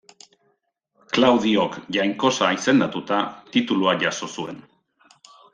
Klaudiok jainkosa izendatuta, titulua jaso zuen.